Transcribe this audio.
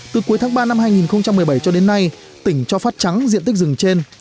từ cuối tháng ba năm hai nghìn một mươi bảy cho đến nay tỉnh cho phát trắng diện tích rừng trên